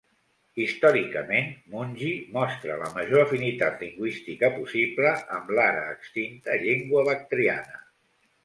Històricament, Munji mostra la major afinitat lingüística possible amb l'ara extinta llengua bactriana